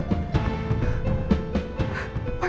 dia udah sadar